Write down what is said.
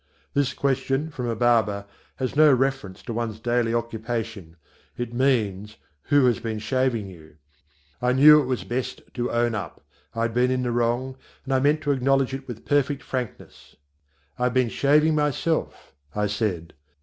This question, from a barber, has no reference to one's daily occupation. It means "who has been shaving you." I knew it was best to own up. I'd been in the wrong, and I meant to acknowledge it with perfect frankness. "I've been shaving myself," I said.